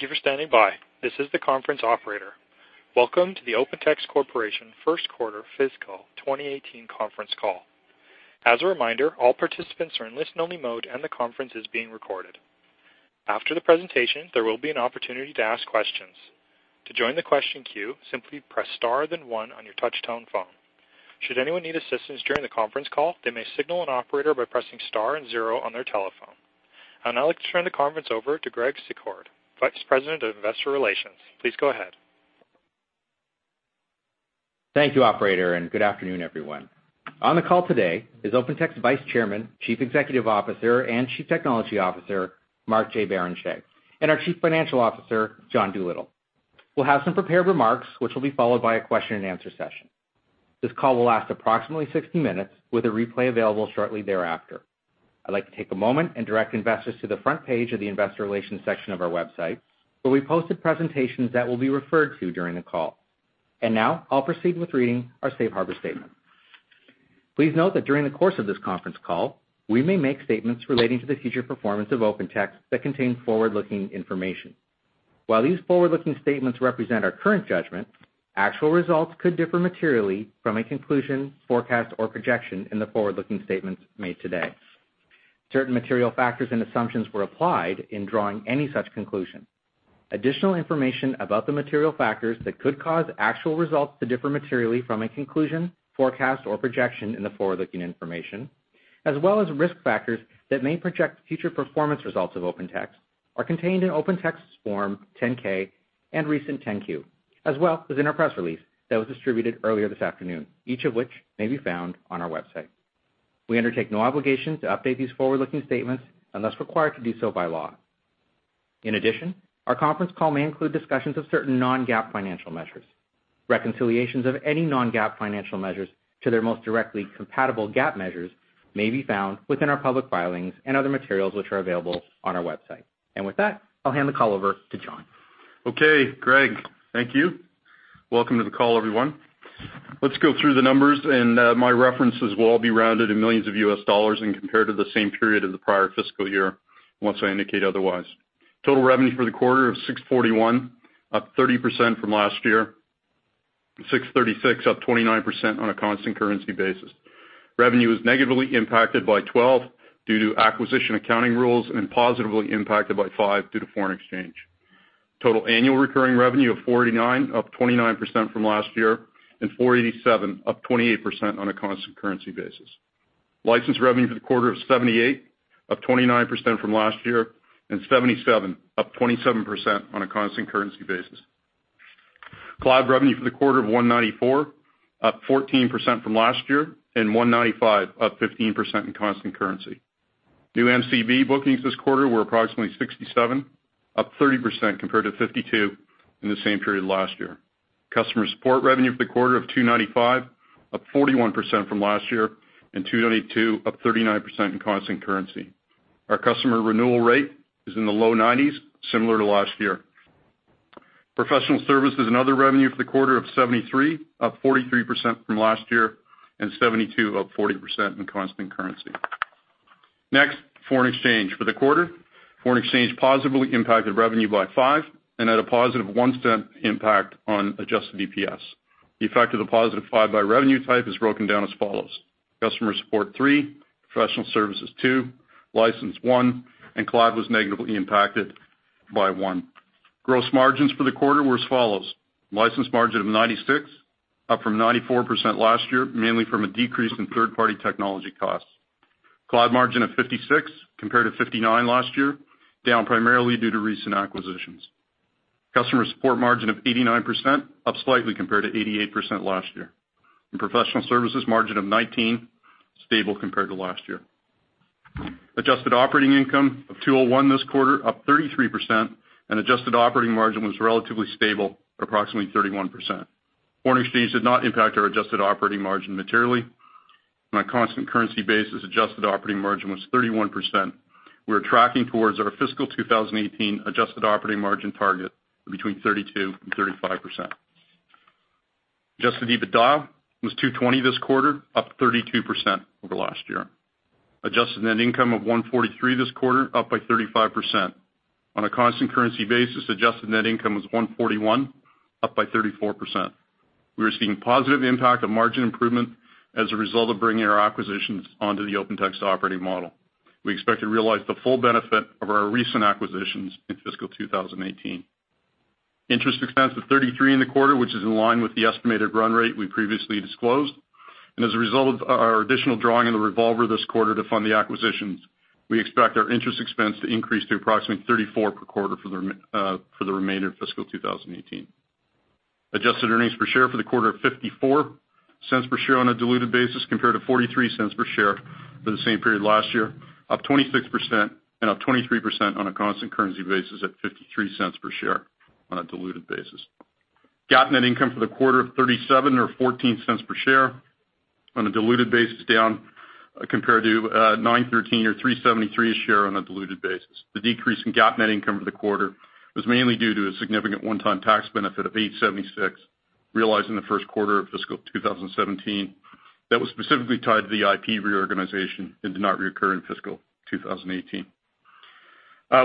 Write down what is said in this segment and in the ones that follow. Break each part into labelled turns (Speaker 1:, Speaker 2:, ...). Speaker 1: Thank you for standing by. This is the conference operator. Welcome to the Open Text Corporation first quarter fiscal 2018 conference call. As a reminder, all participants are in listen only mode and the conference is being recorded. After the presentation, there will be an opportunity to ask questions. To join the question queue, simply press star then one on your touchtone phone. Should anyone need assistance during the conference call, they may signal an operator by pressing star and zero on their telephone. I'd now like to turn the conference over to Greg Secord, Vice President of Investor Relations. Please go ahead.
Speaker 2: Thank you operator. Good afternoon everyone. On the call today is Open Text Vice Chairman, Chief Executive Officer and Chief Technology Officer, Mark J. Barrenechea, and our Chief Financial Officer, John Doolittle. We'll have some prepared remarks, which will be followed by a question and answer session. This call will last approximately 60 minutes with a replay available shortly thereafter. I'd like to take a moment and direct investors to the front page of the investor relations section of our website, where we posted presentations that will be referred to during the call. Now I'll proceed with reading our safe harbor statement. Please note that during the course of this conference call, we may make statements relating to the future performance of Open Text that contain forward-looking information. While these forward-looking statements represent our current judgment, actual results could differ materially from a conclusion, forecast, or projection in the forward-looking statements made today. Certain material factors and assumptions were applied in drawing any such conclusion. Additional information about the material factors that could cause actual results to differ materially from a conclusion, forecast, or projection in the forward-looking information, as well as risk factors that may project future performance results of Open Text, are contained in Open Text's Form 10-K and recent 10-Q, as well as in our press release that was distributed earlier this afternoon, each of which may be found on our website. We undertake no obligation to update these forward-looking statements unless required to do so by law. In addition, our conference call may include discussions of certain non-GAAP financial measures. Reconciliations of any non-GAAP financial measures to their most directly compatible GAAP measures may be found within our public filings and other materials, which are available on our website. With that, I'll hand the call over to John.
Speaker 3: Okay, Greg. Thank you. Welcome to the call, everyone. Let's go through the numbers and my references will all be rounded in millions of U.S. dollars and compared to the same period of the prior fiscal year, unless I indicate otherwise. Total revenue for the quarter of $641, up 30% from last year. $636 up 29% on a constant currency basis. Revenue was negatively impacted by $12 due to acquisition accounting rules and positively impacted by $5 due to foreign exchange. Total annual recurring revenue of $489, up 29% from last year, and $487 up 28% on a constant currency basis. License revenue for the quarter of $78, up 29% from last year, and $77 up 27% on a constant currency basis. Cloud revenue for the quarter of $194, up 14% from last year, and $195 up 15% in constant currency. New MCV bookings this quarter were approximately $67, up 30% compared to $52 in the same period last year. Customer support revenue for the quarter of $295, up 41% from last year, and $222 up 39% in constant currency. Our customer renewal rate is in the low 90s, similar to last year. Professional Services and other revenue for the quarter of $73, up 43% from last year, and $72 up 40% in constant currency. Foreign exchange. For the quarter, foreign exchange positively impacted revenue by $5 and at a positive $0.01 impact on adjusted EPS. The effect of the positive $5 by revenue type is broken down as follows: customer support $3, Professional Services $2, license $1, and cloud was negatively impacted by $1. Gross margins for the quarter were as follows: license margin of 96%, up from 94% last year, mainly from a decrease in third-party technology costs. Cloud margin of 56% compared to 59% last year, down primarily due to recent acquisitions. Customer support margin of 89%, up slightly compared to 88% last year. Professional Services margin of 19%, stable compared to last year. Adjusted operating income of $201 this quarter, up 33%, and adjusted operating margin was relatively stable at approximately 31%. Foreign exchange did not impact our adjusted operating margin materially. On a constant currency basis, adjusted operating margin was 31%. We are tracking towards our fiscal 2018 adjusted operating margin target of between 32% and 35%. Adjusted EBITDA was $220 this quarter, up 32% over last year. Adjusted net income of $143 this quarter, up by 35%. On a constant currency basis, adjusted net income was $141, up by 34%. We are seeing positive impact of margin improvement as a result of bringing our acquisitions onto the OpenText operating model. We expect to realize the full benefit of our recent acquisitions in fiscal 2018. Interest expense of $33 in the quarter, which is in line with the estimated run rate we previously disclosed. As a result of our additional drawing in the revolver this quarter to fund the acquisitions, we expect our interest expense to increase to approximately $34 per quarter for the remainder of fiscal 2018. Adjusted earnings per share for the quarter of $0.54 per share on a diluted basis compared to $0.43 per share for the same period last year, up 26% and up 23% on a constant currency basis at $0.53 per share on a diluted basis. GAAP net income for the quarter of $37 or $0.14 per share on a diluted basis down compared to $9.13 million or $3.73 a share on a diluted basis. The decrease in GAAP net income for the quarter was mainly due to a significant one-time tax benefit of $8.76 million realized in the first quarter of fiscal 2017. That was specifically tied to the IP reorganization and did not reoccur in fiscal 2018.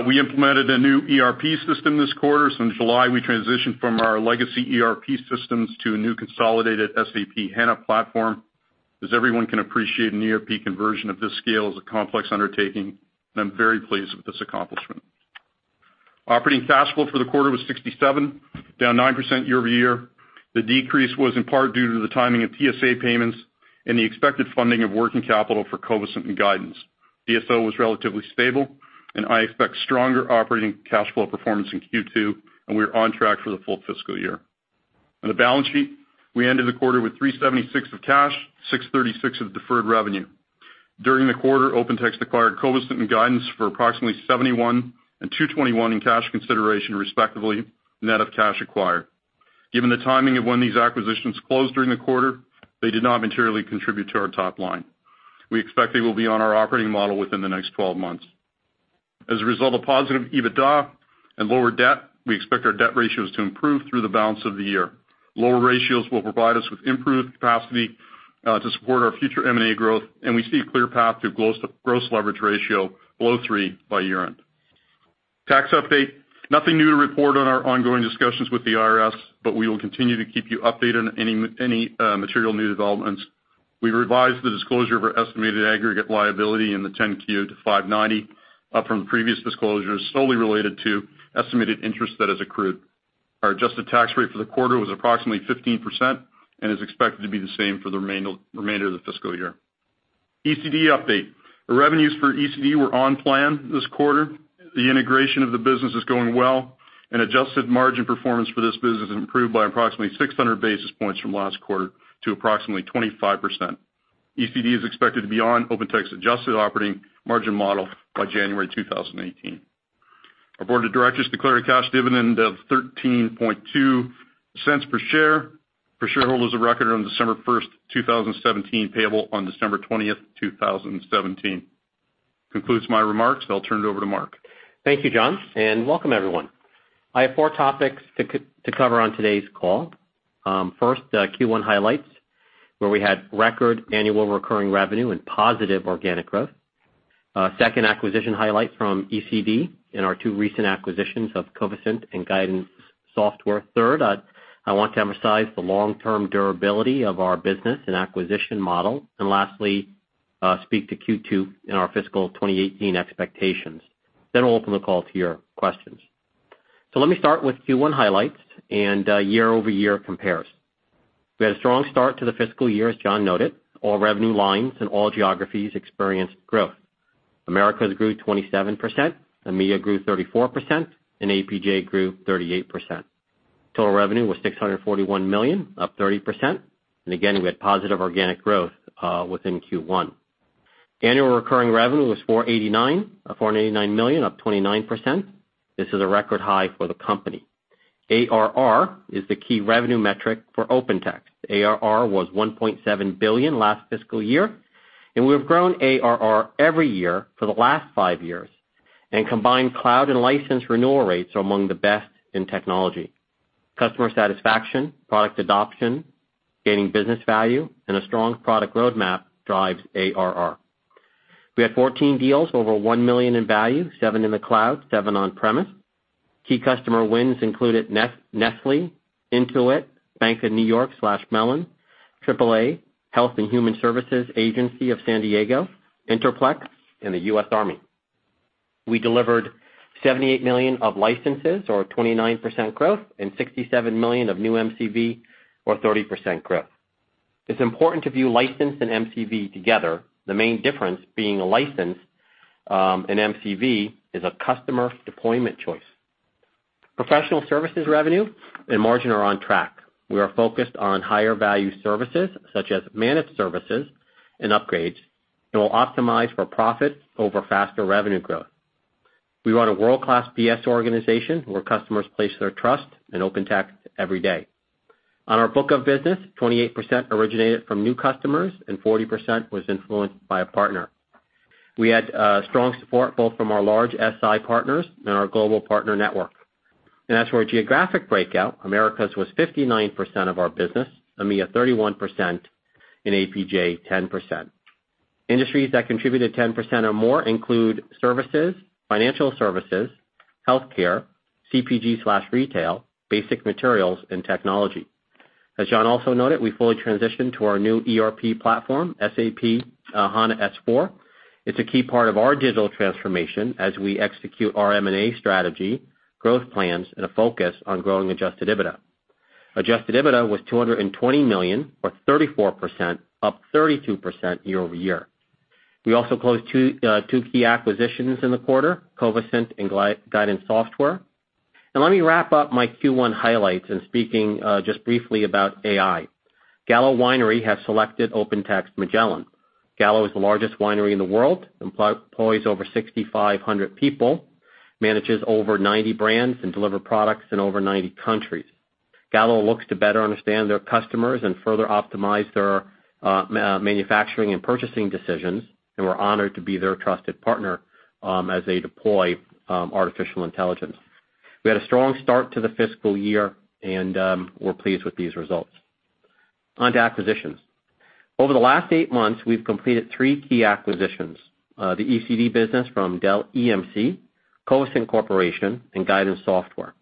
Speaker 3: We implemented a new ERP system this quarter. In July, we transitioned from our legacy ERP systems to a new consolidated SAP HANA platform. As everyone can appreciate, an ERP conversion of this scale is a complex undertaking, and I'm very pleased with this accomplishment. Operating cash flow for the quarter was $67, down 9% year-over-year. The decrease was in part due to the timing of TSA payments and the expected funding of working capital for Covisint and Guidance. DSO was relatively stable, and I expect stronger operating cash flow performance in Q2, and we are on track for the full fiscal year. On the balance sheet, we ended the quarter with $376 million of cash, $636 million of deferred revenue. During the quarter, OpenText acquired Covisint and Guidance for approximately $71 million and $221 million in cash consideration, respectively, net of cash acquired. Given the timing of when these acquisitions closed during the quarter, they did not materially contribute to our top line. We expect they will be on our operating model within the next 12 months. As a result of positive EBITDA and lower debt, we expect our debt ratios to improve through the balance of the year. Lower ratios will provide us with improved capacity to support our future M&A growth, and we see a clear path to gross leverage ratio below three by year-end. Tax update. Nothing new to report on our ongoing discussions with the IRS, but we will continue to keep you updated on any material new developments. We revised the disclosure of our estimated aggregate liability in the 10-Q to $590 million, up from previous disclosures solely related to estimated interest that has accrued. Our adjusted tax rate for the quarter was approximately 15% and is expected to be the same for the remainder of the fiscal year. ECD update. The revenues for ECD were on plan this quarter. The integration of the business is going well, and adjusted margin performance for this business improved by approximately 600 basis points from last quarter to approximately 25%. ECD is expected to be on OpenText adjusted operating margin model by January 2018. Our board of directors declared a cash dividend of $0.132 per share for shareholders of record on December 1st, 2017, payable on December 20th, 2017. Concludes my remarks. I'll turn it over to Mark.
Speaker 4: Thank you, John, and welcome everyone. I have four topics to cover on today's call. First, Q1 highlights, where we had record annual recurring revenue and positive organic growth. Second, acquisition highlights from ECD and our two recent acquisitions of Covisint and Guidance Software. Third, I want to emphasize the long-term durability of our business and acquisition model. Lastly, speak to Q2 and our FY 2018 expectations. I'll open the call to your questions. Let me start with Q1 highlights and year-over-year compares. We had a strong start to the fiscal year, as John noted. All revenue lines in all geographies experienced growth. Americas grew 27%, EMEA grew 34%, and APJ grew 38%. Total revenue was $641 million, up 30%. Again, we had positive organic growth within Q1. Annual recurring revenue was $489 million, up 29%. This is a record high for the company. ARR is the key revenue metric for OpenText. ARR was $1.7 billion last fiscal year, and we've grown ARR every year for the last five years. Combined cloud and license renewal rates are among the best in technology. Customer satisfaction, product adoption, gaining business value, and a strong product roadmap drives ARR. We had 14 deals over $1 million in value, seven in the cloud, seven on-premise. Key customer wins included Nestlé, Intuit, Bank of New York Mellon, AAA, Health and Human Services Agency of San Diego, Interplex, and the U.S. Army. We delivered $78 million of licenses or 29% growth and $67 million of new MCV or 30% growth. It's important to view license and MCV together, the main difference being a license and MCV is a customer deployment choice. Professional services revenue and margin are on track. We are focused on higher value services such as managed services and upgrades, and we'll optimize for profit over faster revenue growth. We run a world-class PS organization where customers place their trust in OpenText every day. On our book of business, 28% originated from new customers and 40% was influenced by a partner. We had strong support both from our large SI partners and our global partner network. As for our geographic breakout, Americas was 59% of our business, EMEA 31%, and APJ 10%. Industries that contributed 10% or more include services, financial services, healthcare, CPG/retail, basic materials, and technology. As John also noted, we fully transitioned to our new ERP platform, SAP S/4HANA. It's a key part of our digital transformation as we execute our M&A strategy, growth plans, and a focus on growing adjusted EBITDA. Adjusted EBITDA was $220 million or 34%, up 32% year-over-year. We also closed two key acquisitions in the quarter, Covisint and Guidance Software. Let me wrap up my Q1 highlights in speaking just briefly about AI. Gallo Winery has selected OpenText Magellan. Gallo is the largest winery in the world, employs over 6,500 people, manages over 90 brands, and deliver products in over 90 countries. Gallo looks to better understand their customers and further optimize their manufacturing and purchasing decisions, and we're honored to be their trusted partner as they deploy artificial intelligence. We had a strong start to the fiscal year, and we're pleased with these results. On to acquisitions. Over the last eight months, we've completed three key acquisitions, the ECD business from Dell EMC, Covisint Corporation, and Guidance Software.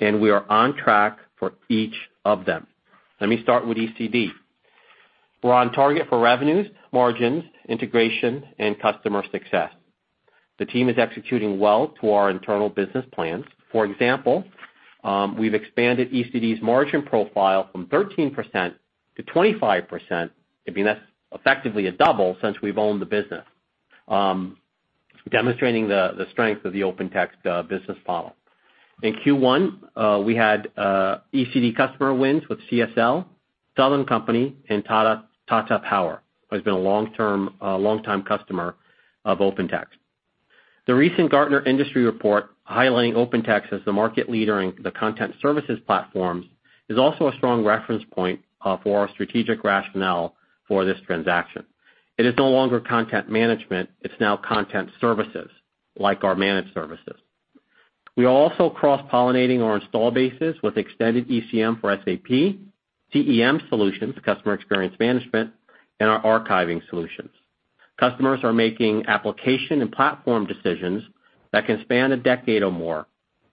Speaker 4: We are on track for each of them. Let me start with ECD. We're on target for revenues, margins, integration, and customer success. The team is executing well to our internal business plans. For example, we've expanded ECD's margin profile from 13% to 25%, I mean, that's effectively a double since we've owned the business, demonstrating the strength of the OpenText business model. In Q1, we had ECD customer wins with CSL, Southern Company, and Tata Power, who has been a long-time customer of OpenText. The recent Gartner industry report highlighting OpenText as the market leader in the content services platforms is also a strong reference point for our strategic rationale for this transaction. It is no longer content management, it's now content services, like our managed services. We are also cross-pollinating our install bases with extended ECM for SAP, CEM solutions, customer experience management, and our archiving solutions. Customers are making application and platform decisions that can span a decade or more,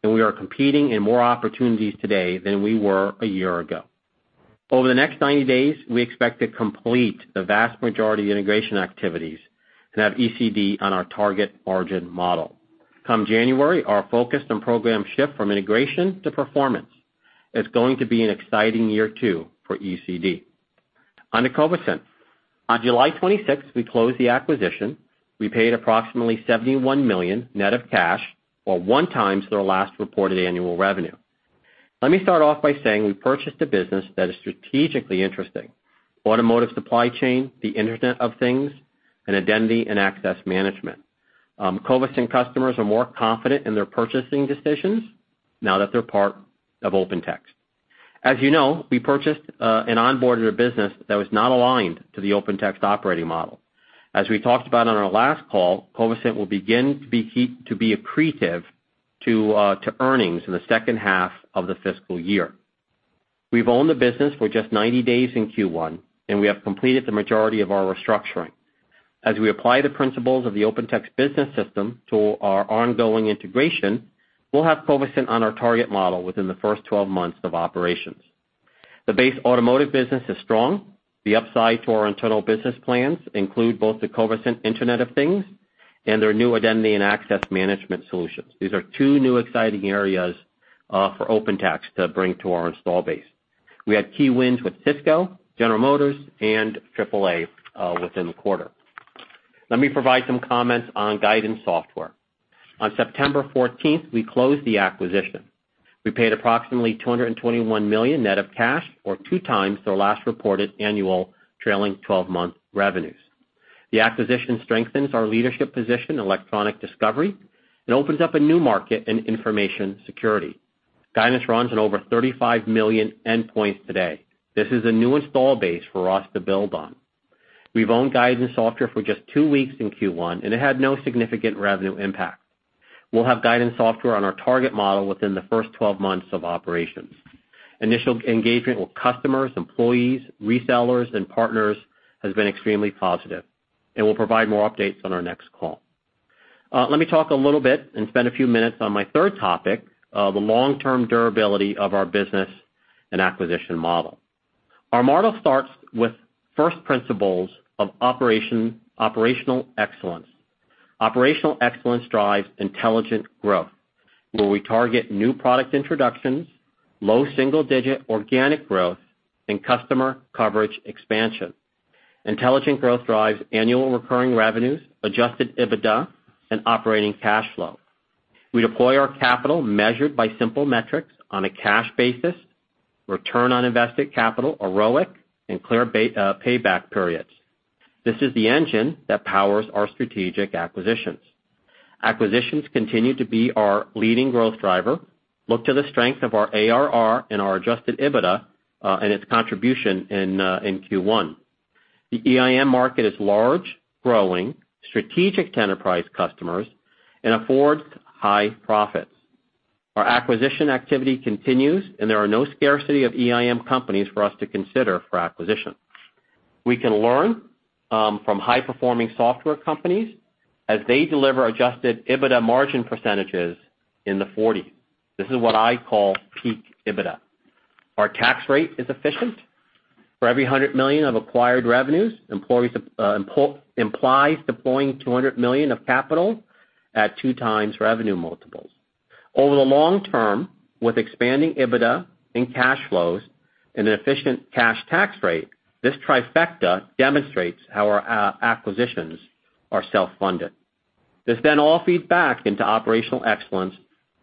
Speaker 4: we are competing in more opportunities today than we were a year ago. Over the next 90 days, we expect to complete the vast majority of integration activities and have ECD on our target margin model. Come January, our focus and program shift from integration to performance. It's going to be an exciting year two for ECD. On to Covisint. On July 26th, we closed the acquisition. We paid approximately $71 million, net of cash, or one times their last reported annual revenue. Let me start off by saying we purchased a business that is strategically interesting. Automotive supply chain, the Internet of Things, and identity and access management. Covisint customers are more confident in their purchasing decisions now that they're part of OpenText. As you know, we purchased an onboarder business that was not aligned to the OpenText operating model. As we talked about on our last call, Covisint will begin to be accretive to earnings in the second half of the fiscal year. We've owned the business for just 90 days in Q1, and we have completed the majority of our restructuring. As we apply the principles of the OpenText business system to our ongoing integration, we'll have Covisint on our target model within the first 12 months of operations. The base automotive business is strong. The upside to our internal business plans include both the Covisint Internet of Things and their new identity and access management solutions. These are two new exciting areas for OpenText to bring to our install base. We had key wins with Cisco, General Motors and AAA within the quarter. Let me provide some comments on Guidance Software. On September 14th, we closed the acquisition. We paid approximately $221 million net of cash or two times their last reported annual trailing 12-month revenues. The acquisition strengthens our leadership position in electronic discovery and opens up a new market in information security. Guidance runs on over 35 million endpoints today. This is a new install base for us to build on. We've owned Guidance Software for just two weeks in Q1, and it had no significant revenue impact. We'll have Guidance Software on our target model within the first 12 months of operations. Initial engagement with customers, employees, resellers, and partners has been extremely positive and we'll provide more updates on our next call. Let me talk a little bit and spend a few minutes on my third topic, the long-term durability of our business and acquisition model. Our model starts with first principles of operational excellence. Operational excellence drives intelligent growth, where we target new product introductions, low single-digit organic growth, and customer coverage expansion. Intelligent growth drives annual recurring revenues, adjusted EBITDA, and operating cash flow. We deploy our capital measured by simple metrics on a cash basis, return on invested capital, ROIC, and clear payback periods. This is the engine that powers our strategic acquisitions. Acquisitions continue to be our leading growth driver. Look to the strength of our ARR and our adjusted EBITDA, and its contribution in Q1. The EIM market is large, growing, strategic enterprise customers, and affords high profits. Our acquisition activity continues, and there are no scarcity of EIM companies for us to consider for acquisition. We can learn from high-performing software companies as they deliver adjusted EBITDA margin percentages in the 40s. This is what I call peak EBITDA. Our tax rate is efficient. For every $100 million of acquired revenues implies deploying $200 million of capital at 2x revenue multiples. Over the long term, with expanding EBITDA and cash flows and an efficient cash tax rate, this trifecta demonstrates how our acquisitions are self-funded. This then all feeds back into operational excellence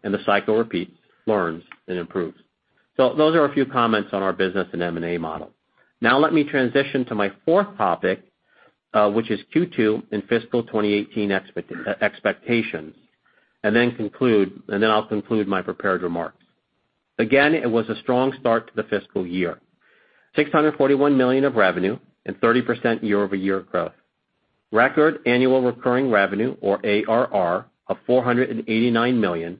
Speaker 4: and the cycle repeats, learns, and improves. Those are a few comments on our business and M&A model. Let me transition to my fourth topic, which is Q2 and fiscal 2018 expectations, and then I'll conclude my prepared remarks. It was a strong start to the fiscal year, $641 million of revenue and 30% year-over-year growth. Record annual recurring revenue, or ARR, of $489 million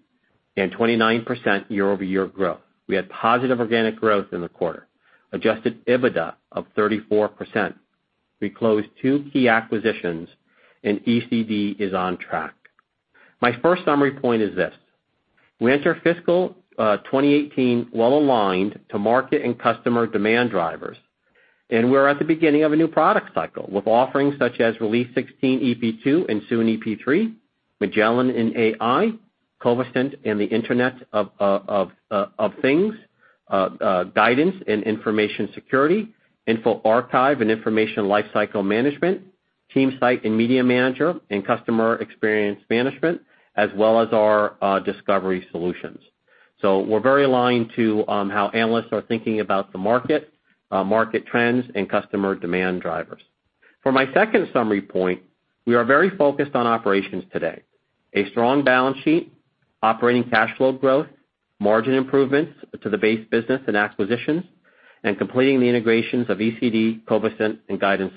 Speaker 4: and 29% year-over-year growth. We had positive organic growth in the quarter. Adjusted EBITDA of 34%. We closed two key acquisitions, and ECD is on track. My first summary point is this: we enter fiscal 2018 well-aligned to market and customer demand drivers, and we're at the beginning of a new product cycle with offerings such as Release 16, EP2, and soon EP3, Magellan in AI, Covisint and the Internet of Things, Guidance in information security, InfoArchive in information lifecycle management, TeamSite and MediaManager in customer experience management, as well as our discovery solutions. We're very aligned to how analysts are thinking about the market trends, and customer demand drivers. For my second summary point, we are very focused on operations today. A strong balance sheet, operating cash flow growth, margin improvements to the base business and acquisitions, and completing the integrations of ECD, Covisint, and Guidance.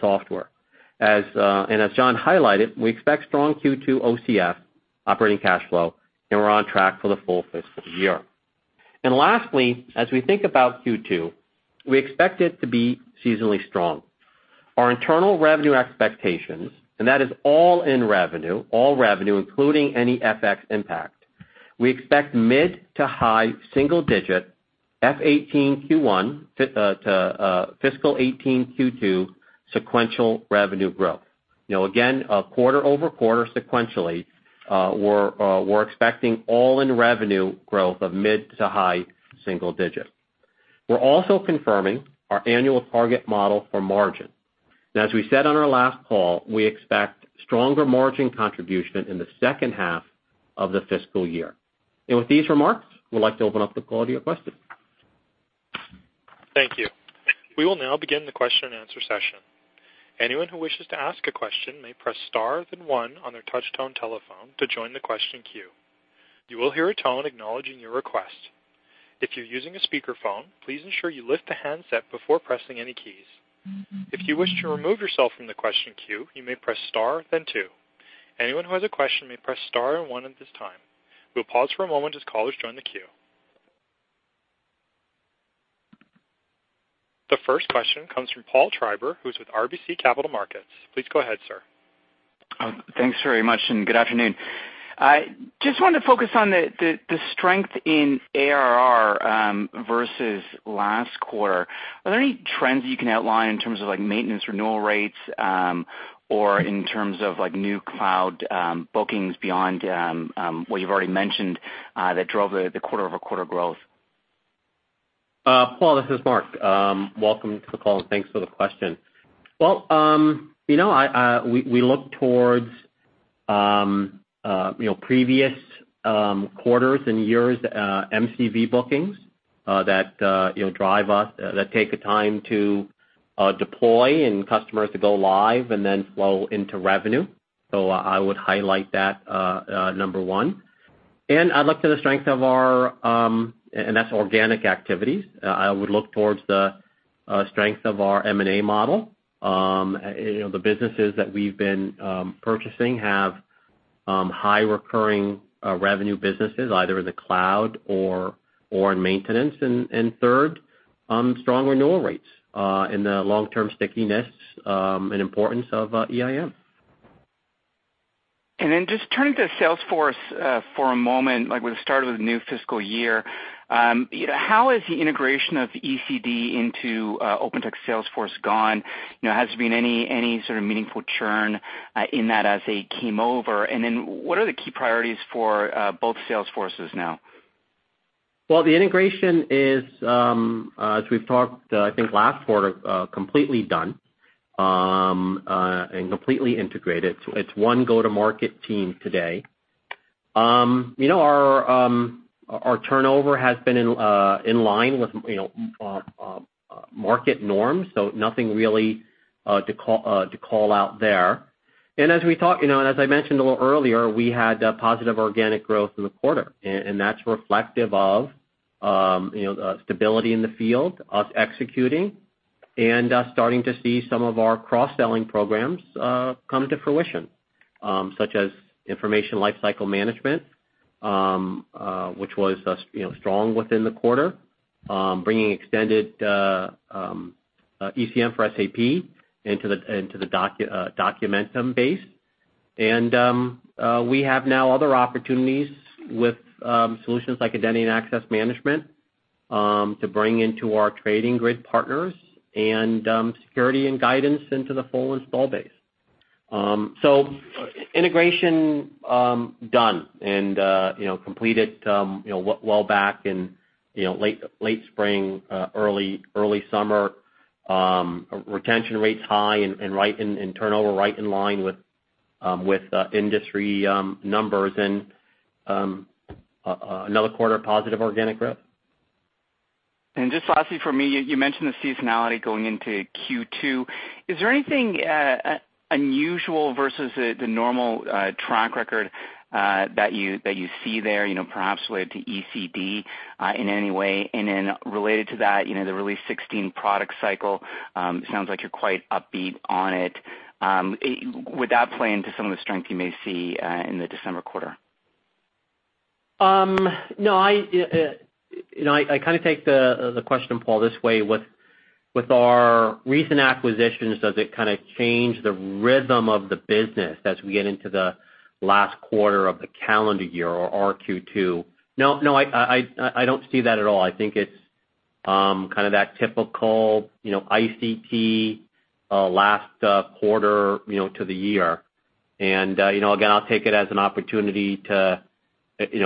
Speaker 4: As John highlighted, we expect strong Q2 OCF, operating cash flow, and we're on track for the full fiscal year. Lastly, as we think about Q2, we expect it to be seasonally strong. Our internal revenue expectations, and that is all-in revenue, all revenue, including any FX impact, we expect mid to high single digit FY 2018 Q1 to fiscal 2018 Q2 sequential revenue growth. Quarter-over-quarter sequentially, we're expecting all-in revenue growth of mid to high single digits. We're also confirming our annual target model for margin. As we said on our last call, we expect stronger margin contribution in the second half of the fiscal year. With these remarks, we'd like to open up the call to your questions.
Speaker 1: Thank you. We will now begin the question and answer session. Anyone who wishes to ask a question may press star then one on their touch-tone telephone to join the question queue. You will hear a tone acknowledging your request. If you're using a speakerphone, please ensure you lift the handset before pressing any keys. If you wish to remove yourself from the question queue, you may press star then two. Anyone who has a question may press star and one at this time. We'll pause for a moment as callers join the queue. The first question comes from Paul Treiber, who's with RBC Capital Markets. Please go ahead, sir.
Speaker 5: Thanks very much. Good afternoon. Just wanted to focus on the strength in ARR versus last quarter. Are there any trends you can outline in terms of maintenance renewal rates, or in terms of new cloud bookings beyond what you've already mentioned that drove the quarter-over-quarter growth?
Speaker 4: Paul, this is Mark. Welcome to the call. Thanks for the question. Well, we look towards previous quarters and years MCV bookings that drive us, that take the time to deploy and customers to go live and then flow into revenue. I would highlight that, number one. That's organic activities, I would look towards the strength of our M&A model. The businesses that we've been purchasing have high recurring revenue businesses, either in the cloud or in maintenance. Third, strong renewal rates and the long-term stickiness and importance of EIM.
Speaker 5: Just turning to sales force for a moment, like with the start of the new fiscal year, how has the integration of ECD into Open Text sales force gone? Has there been any sort of meaningful churn in that as they came over? What are the key priorities for both sales forces now?
Speaker 4: Well, the integration is, as we've talked I think last quarter, completely done and completely integrated. It's one go-to-market team today. Our turnover has been in line with market norms, nothing really to call out there. As I mentioned a little earlier, we had positive organic growth in the quarter, that's reflective of stability in the field, us executing, and us starting to see some of our cross-selling programs come to fruition, such as information lifecycle management, which was strong within the quarter, bringing extended ECM for SAP into the Documentum base. We have now other opportunities with solutions like identity and access management to bring into our Trading Grid partners and security and guidance into the full install base. Integration done and completed well back in late spring, early summer. Retention rates high and turnover right in line with industry numbers and another quarter of positive organic growth.
Speaker 5: Just lastly from me, you mentioned the seasonality going into Q2. Is there anything unusual versus the normal track record that you see there, perhaps related to ECD in any way? Related to that, the OpenText Release 16 product cycle, sounds like you're quite upbeat on it. Would that play into some of the strength you may see in the December quarter?
Speaker 4: No, I kind of take the question, Paul, this way. With our recent acquisitions, does it kind of change the rhythm of the business as we get into the last quarter of the calendar year or Q2? No, I don't see that at all. I think it's kind of that typical ICT last quarter to the year. Again, I'll take it as an opportunity to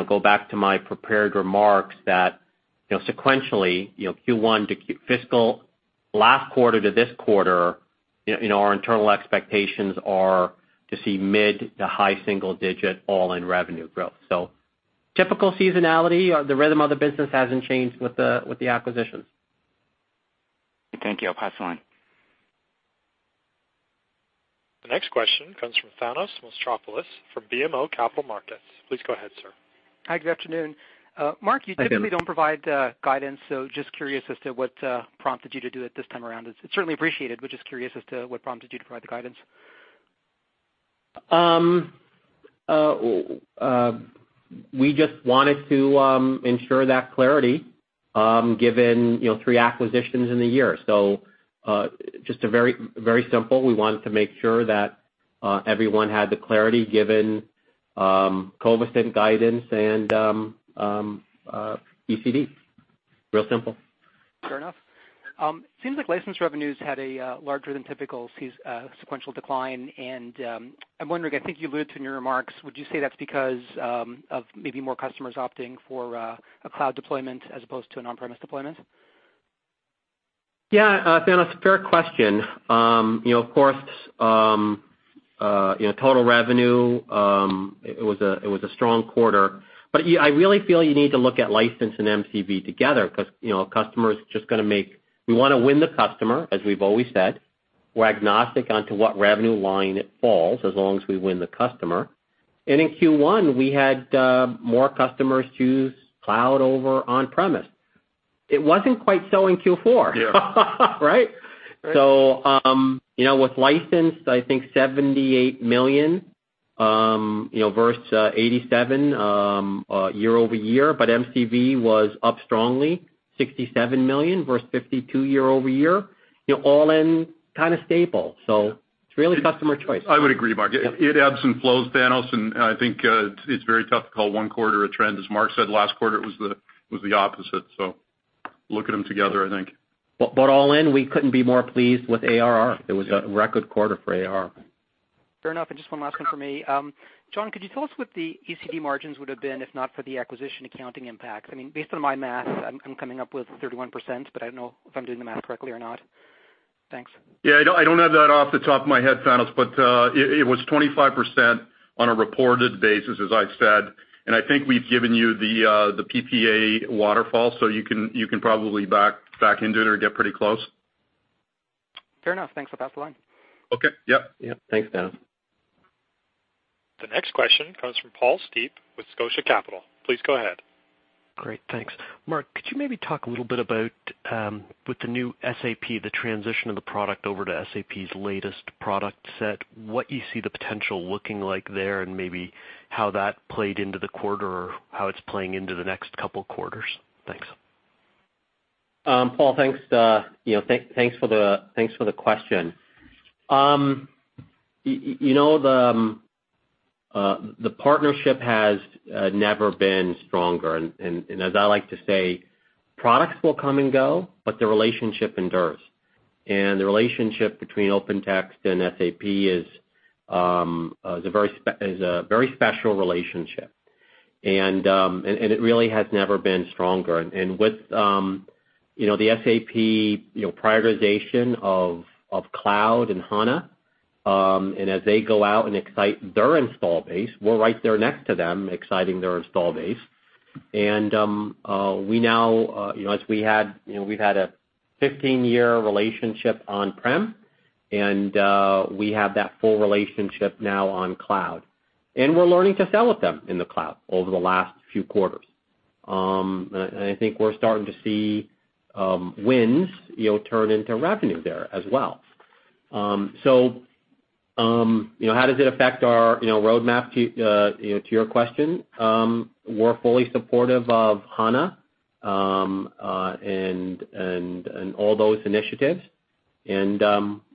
Speaker 4: go back to my prepared remarks that sequentially, fiscal last quarter to this quarter, our internal expectations are to see mid to high single digit all-in revenue growth. Typical seasonality, the rhythm of the business hasn't changed with the acquisitions.
Speaker 5: Thank you. I'll pass the line.
Speaker 1: The next question comes from Thanos Moschopoulos from BMO Capital Markets. Please go ahead, sir.
Speaker 6: Hi, good afternoon. Mark, you typically don't provide guidance, just curious as to what prompted you to do it this time around. It's certainly appreciated, we're just curious as to what prompted you to provide the guidance.
Speaker 4: We just wanted to ensure that clarity given three acquisitions in the year. Just very simple. We wanted to make sure that everyone had the clarity given Covisint Guidance and ECD. Real simple.
Speaker 6: Fair enough. I'm wondering, I think you alluded to in your remarks, would you say that's because of maybe more customers opting for a cloud deployment as opposed to an on-premise deployment?
Speaker 4: Yeah, Thanos, fair question. Of course, total revenue, it was a strong quarter. I really feel you need to look at license and MCV together because we want to win the customer, as we've always said. We're agnostic onto what revenue line it falls, as long as we win the customer. In Q1, we had more customers choose cloud over on-premise. It wasn't quite so in Q4, right? With license, I think $78 million versus $87 million year-over-year. MCV was up strongly, $67 million versus $52 million year-over-year. All in, kind of stable. It's really customer choice.
Speaker 3: I would agree, Mark. It ebbs and flows, Thanos. I think it's very tough to call one quarter a trend. As Mark said, last quarter it was the opposite. Look at them together, I think.
Speaker 4: All in, we couldn't be more pleased with ARR. It was a record quarter for ARR.
Speaker 6: Fair enough. Just one last one from me. John, could you tell us what the ECD margins would have been if not for the acquisition accounting impacts? I mean, based on my math, I'm coming up with 31%, but I don't know if I'm doing the math correctly or not. Thanks.
Speaker 3: I don't have that off the top of my head, Thanos, it was 25% on a reported basis, as I've said, I think we've given you the PPA waterfall, so you can probably back into it or get pretty close.
Speaker 6: Fair enough. Thanks, I'll pass the line.
Speaker 3: Okay. Yep.
Speaker 4: Yep. Thanks, Thanos.
Speaker 1: The next question comes from Paul Steep with Scotia Capital. Please go ahead.
Speaker 7: Great, thanks. Mark, could you maybe talk a little bit about with the new SAP, the transition of the product over to SAP's latest product set, what you see the potential looking like there, and maybe how that played into the quarter or how it's playing into the next couple quarters? Thanks.
Speaker 4: Paul, thanks for the question. The partnership has never been stronger, and as I like to say, products will come and go, but the relationship endures. The relationship between Open Text and SAP is a very special relationship, and it really has never been stronger. With the SAP prioritization of cloud and HANA, and as they go out and excite their install base, we're right there next to them exciting their install base. We've had a 15-year relationship on-prem, and we have that full relationship now on cloud. We're learning to sell with them in the cloud over the last few quarters. I think we're starting to see wins turn into revenue there as well. How does it affect our roadmap, to your question? We're fully supportive of HANA and all those initiatives, and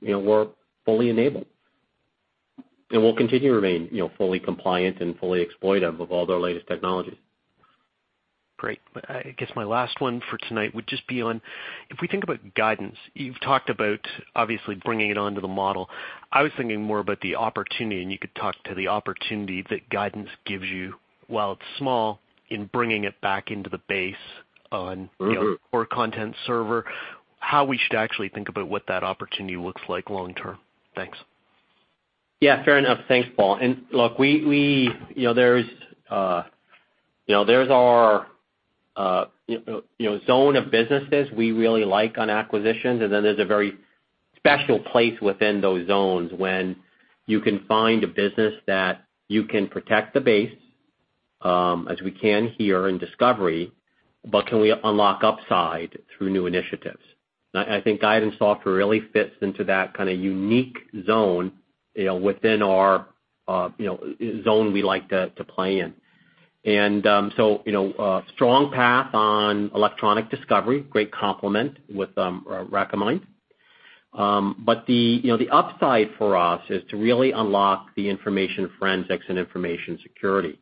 Speaker 4: we're fully enabled. We'll continue to remain fully compliant and fully exploitive of all their latest technologies.
Speaker 7: Great. I guess my last one for tonight would just be on if we think about Guidance, you've talked about obviously bringing it onto the model. I was thinking more about the opportunity, and you could talk to the opportunity that Guidance gives you, while it's small, in bringing it back into the base on core Content Server, how we should actually think about what that opportunity looks like long term. Thanks.
Speaker 4: Yeah, fair enough. Thanks, Paul. Look, there's our zone of businesses we really like on acquisitions, then there's a very special place within those zones when you can find a business that you can protect the base, as we can here in Discovery. Can we unlock upside through new initiatives? I think Guidance Software really fits into that kind of unique zone within our zone we like to play in. Strong path on electronic discovery, great complement with Recommind. The upside for us is to really unlock the information forensics and information security.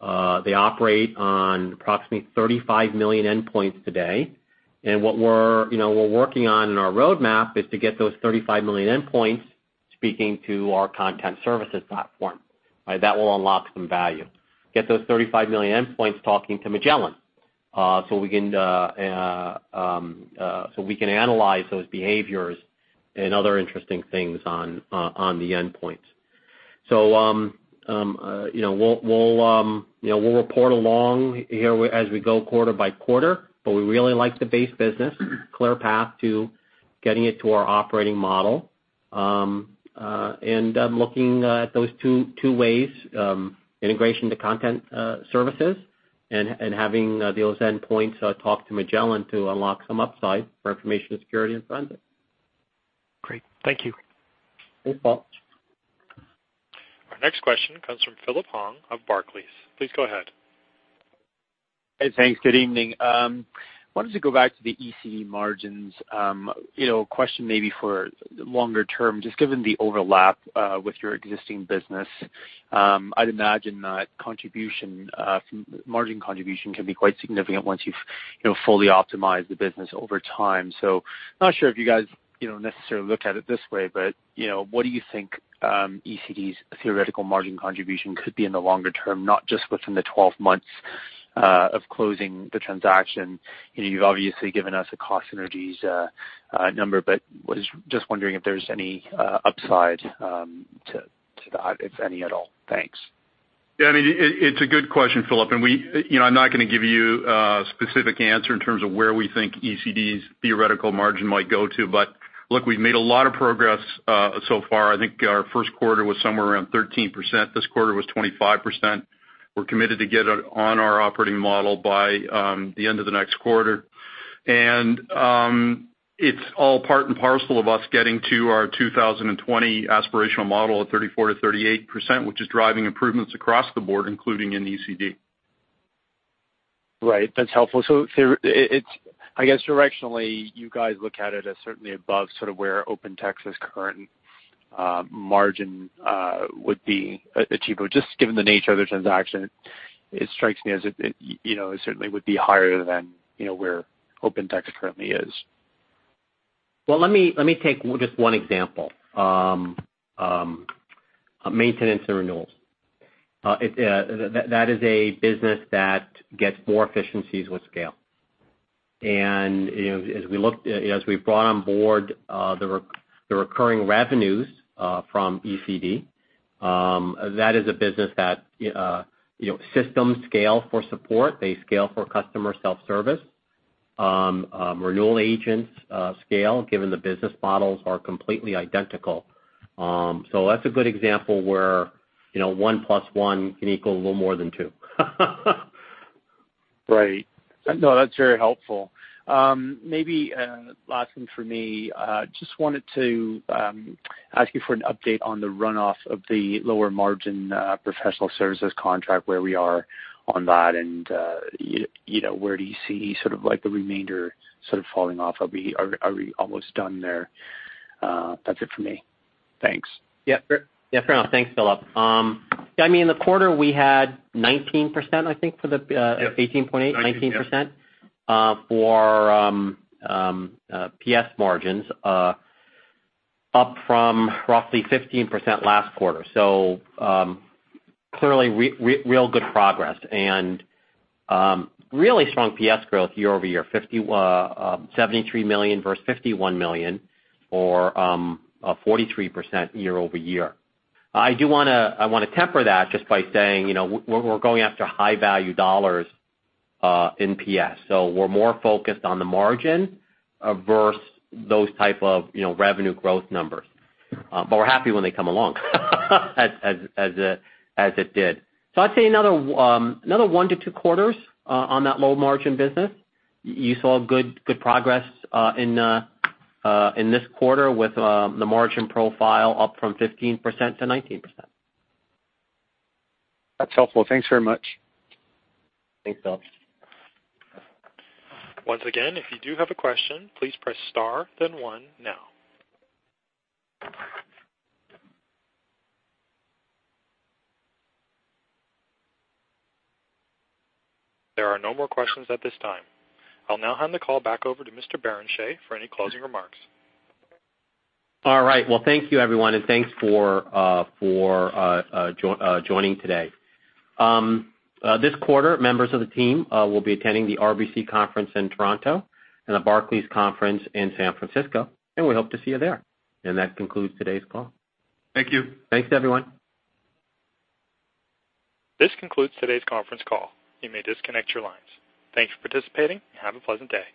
Speaker 4: They operate on approximately 35 million endpoints today, what we're working on in our roadmap is to get those 35 million endpoints speaking to our content services platform. That will unlock some value. Get those 35 million endpoints talking to Magellan, we can analyze those behaviors and other interesting things on the endpoints. We'll report along here as we go quarter by quarter, we really like the base business, clear path to getting it to our operating model. Looking at those two ways, integration to content services and having those endpoints talk to Magellan to unlock some upside for information security in transit.
Speaker 7: Great. Thank you.
Speaker 4: Thanks, Paul.
Speaker 1: Our next question comes from Phillip Huang of Barclays. Please go ahead.
Speaker 8: Hey, thanks. Good evening. Wanted to go back to the ECD margins. A question maybe for longer term, just given the overlap with your existing business, I'd imagine that margin contribution can be quite significant once you've fully optimized the business over time. Not sure if you guys necessarily look at it this way, but what do you think ECD's theoretical margin contribution could be in the longer term, not just within the 12 months of closing the transaction? You've obviously given us a cost synergies number, but was just wondering if there's any upside to that, if any at all. Thanks.
Speaker 3: It's a good question, Phillip, I'm not going to give you a specific answer in terms of where we think ECD's theoretical margin might go to. Look, we've made a lot of progress so far. I think our first quarter was somewhere around 13%. This quarter was 25%. We're committed to get it on our operating model by the end of the next quarter. It's all part and parcel of us getting to our 2020 aspirational model at 34%-38%, which is driving improvements across the board, including in ECD.
Speaker 8: Right. That's helpful. I guess directionally, you guys look at it as certainly above sort of where OpenText's current margin would be achievable. Just given the nature of the transaction, it strikes me as it certainly would be higher than where OpenText currently is.
Speaker 4: Well, let me take just one example. Maintenance and renewals. That is a business that gets more efficiencies with scale. As we brought on board the recurring revenues from ECD, that is a business that systems scale for support. They scale for customer self-service. Renewal agents scale, given the business models are completely identical. That's a good example where one plus one can equal a little more than two.
Speaker 8: Right. No, that's very helpful. Maybe last one for me. Just wanted to ask you for an update on the runoff of the lower margin professional services contract, where we are on that, and where do you see sort of like the remainder sort of falling off? Are we almost done there? That's it for me. Thanks.
Speaker 4: Fair enough. Thanks, Phillip. In the quarter, we had 19%.
Speaker 3: Yep
Speaker 4: 18.8%, 19% for PS margins, up from roughly 15% last quarter. Clearly real good progress and really strong PS growth year-over-year, $73 million versus $51 million, or a 43% year-over-year. I want to temper that just by saying, we're going after high-value dollars in PS. We're more focused on the margin versus those type of revenue growth numbers. We're happy when they come along as it did. I'd say another one to two quarters on that low-margin business. You saw good progress in this quarter with the margin profile up from 15%-19%.
Speaker 8: That's helpful. Thanks very much.
Speaker 4: Thanks, Phillip.
Speaker 1: Once again, if you do have a question, please press star, then one now. There are no more questions at this time. I'll now hand the call back over to Mr. Barrenechea for any closing remarks.
Speaker 4: All right. Well, thank you everyone, and thanks for joining today. This quarter, members of the team will be attending the RBC Conference in Toronto and the Barclays Conference in San Francisco, and we hope to see you there. That concludes today's call.
Speaker 3: Thank you.
Speaker 4: Thanks, everyone.
Speaker 1: This concludes today's conference call. You may disconnect your lines. Thanks for participating and have a pleasant day.